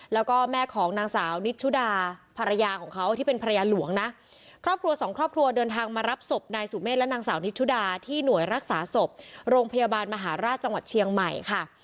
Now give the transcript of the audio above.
แล้วก็แม่ของนางสาวนิชชุดาภรรยาของเขาที่เป็นภรรยาหลวงนะครอบครัวสองครอบครัวเดินทางมารับศพนายสุเมฆและนางสาวนิชชุดาที่หน่วยรักษาศพโรงพยาบาลมหาราชจังหวัดเชียงใหม่ค่ะ